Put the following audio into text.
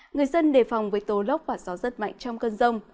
người dân đề phòng với tố lốc và gió rất mạnh trong cơn rông